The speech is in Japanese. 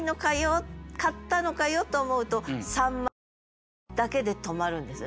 買ったのかよと思うと「秋刀魚の値」だけで止まるんですよね。